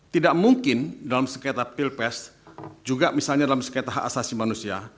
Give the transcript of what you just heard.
tidak mungkin dalam sengketa pilpres juga misalnya dalam sengketa hak asasi manusia